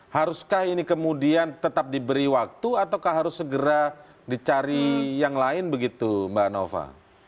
haruskah ini kemudian tetap diberi waktu atau harus segera dicari yang lain begitu mbak nova